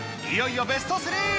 いよいよベスト３。